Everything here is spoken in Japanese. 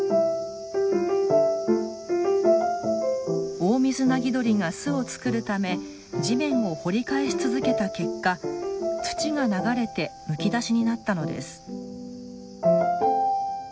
オオミズナギドリが巣を作るため地面を掘り返し続けた結果土が流れてむき出しになったのです。